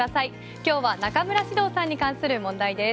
今日は中村獅童さんに関する問題です。